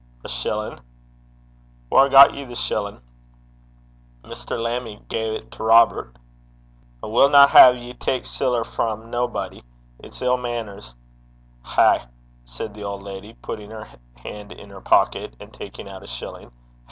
'A shillin'.' 'Whaur got ye the shillin'?' 'Mr. Lammie gae 't to Robert.' 'I winna hae ye tak siller frae naebody. It's ill mainners. Hae!' said the old lady, putting her hand in her pocket, and taking out a shilling.